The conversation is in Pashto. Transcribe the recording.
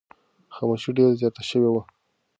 خاموشي ډېره زیاته شوې وه.